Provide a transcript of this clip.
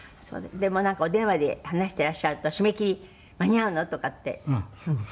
「でもなんかお電話で話していらっしゃると“締め切り間に合うの？”とかって」「そうそう。